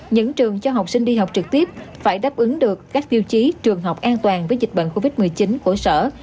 những trường cho học sinh đi học trực tiếp phải đáp ứng được các tiêu chí trường học an toàn với dịch bệnh covid một mươi chín của sở